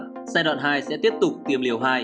giai đoạn hai sẽ tiếp tục tiêm liều hai